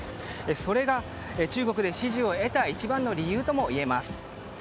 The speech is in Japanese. それが中国で支持を得た一番の理由ともいえます。